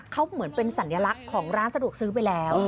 เขาเหมือนเป็นสัญลักษณ์ของร้านสะดวกซื้อไปแล้ว